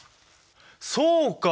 そうか！